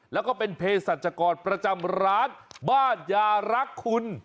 แล้วก็เป็นเพศรัชกรประจำร้านบ้านยารักคุณ